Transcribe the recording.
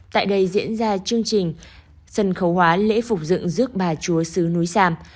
tại đây diễn ra chương trình sân khấu hóa lễ phục dựng rước bà chúa sứ núi sam